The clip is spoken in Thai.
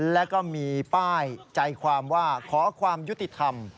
แล้วก็มีป้ายใจความว่าขอความยุติธรรม